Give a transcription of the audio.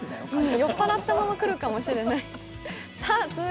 酔っぱらったまま来るかもしれない。